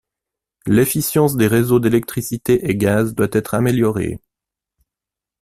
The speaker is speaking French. L'efficience des réseaux d'électricité et gaz doit être améliorée.